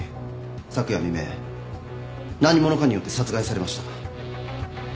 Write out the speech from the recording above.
昨夜未明何者かによって殺害されました。